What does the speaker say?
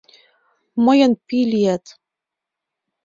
Мыйын «пий» лият.